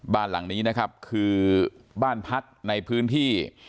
บ้านหลังนี้นะครับคือบ้านพักในพื้นที่